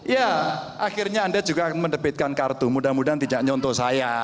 ya akhirnya anda juga menerbitkan kartu mudah mudahan tidak nyontoh saya